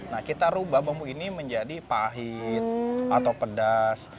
nah kita rubah bambu ini menjadi pahit atau pedas